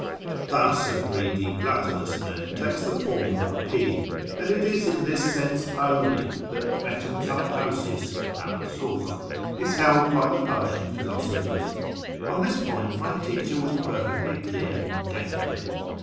Thus a greedy gluttonous man takes the form of a pig, and it is in this sense only that metempsychosis (tandsukli) is held by the Persian philosophers. On this point my teacher was perfectly clear and definite.